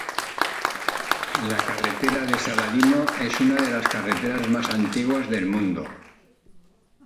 La carretera de Saladino es una de las carreteras más antiguas del mundo.